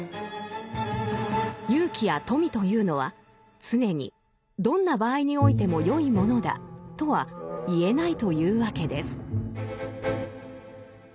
勇気や富というのは常にどんな場合においても善いものだとは言えないというわけです。